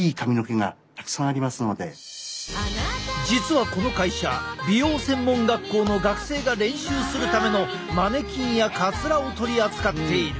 実はこの会社美容専門学校の学生が練習するためのマネキンやかつらを取り扱っている。